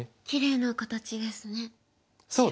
きれいな形ですね白が。